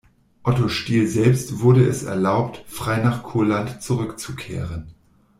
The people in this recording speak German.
Otto Stiel selbst wurde es erlaubt, frei nach Kurland zurückzukehren.